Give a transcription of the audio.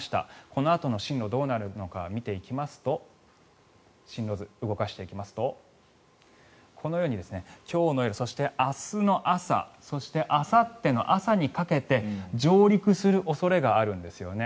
このあとの進路がどうなるのか見ていきますと進路図を動かしていきますとこのように今日の夜、そして明日の朝そして、あさっての朝にかけて上陸する恐れがあるんですよね。